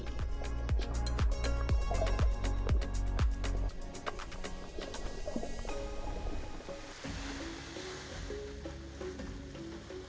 kekayaan bahari di sini menjadi ladang bagi pengguna barjot